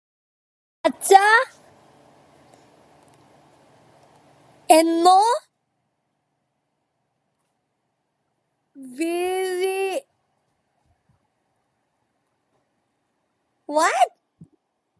അച്ഛാ എന്നെ വിജയിയുടെ വീട്ടിനുമുമ്പിൽ ഇറക്കണം